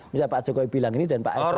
misalnya pak jokowi bilang ini dan pak sby